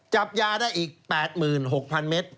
จับยาได้อีก๘๖๐๐เมตร